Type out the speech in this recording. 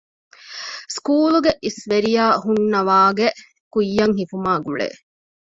ސުކޫލްގެ އިސްވެރިޔާ ހުންނަވާގެ ކުއްޔަށް ހިފުމާއި ގުޅޭ